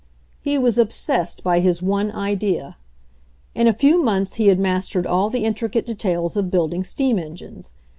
He was obsessed by his one idea. In a few months he had mastered all the in tricate details of building steam engines.